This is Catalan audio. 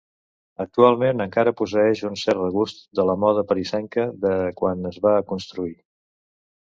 Actualment, encara posseeix un cert regust de la moda parisenca de quan es va construir.